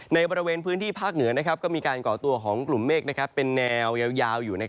ในบริเวณพื้นที่ภาคเหนือก็มีการก่อตัวของกลุ่มเมฆเป็นแนวยาวอยู่